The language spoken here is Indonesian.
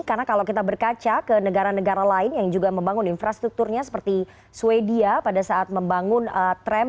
karena kalau kita berkaca ke negara negara lain yang juga membangun infrastrukturnya seperti sweden ya pada saat membangun tram disanjung